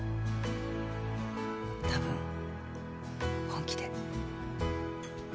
たぶん本気で。